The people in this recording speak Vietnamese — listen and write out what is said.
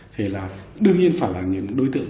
thì là đương nhiên phải là những đối tượng